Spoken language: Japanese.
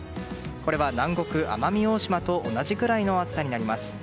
これは南国・奄美大島と同じくらいの暑さになります。